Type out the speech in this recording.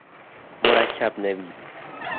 مرکب نویس